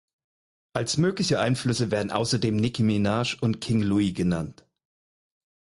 Als mögliche Einflüsse werden außerdem Nicki Minaj und King Louie genannt.